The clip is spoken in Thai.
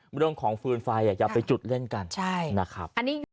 ไม่ต้องของฟืนไฟอ่ะจะไปจุดเล่นกันใช่นะครับอันนี้